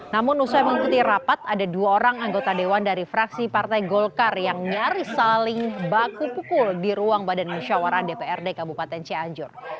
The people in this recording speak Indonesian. namun usai mengikuti rapat ada dua orang anggota dewan dari fraksi partai golkar yang nyaris saling baku pukul di ruang badan musyawarah dprd kabupaten cianjur